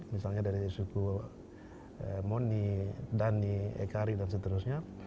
misalnya dari suku moni dhani ekari dan seterusnya